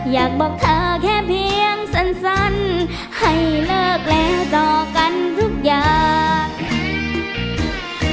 อยากบอกเธอแค่เพียงสั้นให้เลิกแล้วต่อกันทุกอย่าง